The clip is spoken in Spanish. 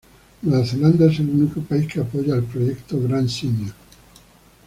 Nueva Zelanda es el único país que apoya el Proyecto Gran Simio.